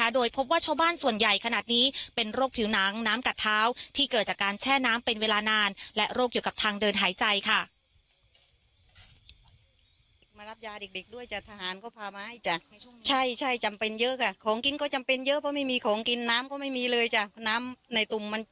โดยพบว่าชาวบ้านส่วนใหญ่ขนาดนี้เป็นโรคผิวหนังน้ำกัดเท้าที่เกิดจากการแช่น้ำเป็นเวลานานและโรคเกี่ยวกับทางเดินหายใจค่ะ